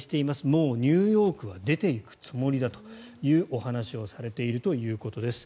もうニューヨークは出ていくつもりだというお話をされているということです。